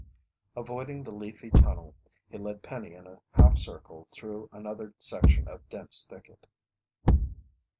Avoiding the leafy tunnel, he led Penny in a half circle through another section of dense thicket.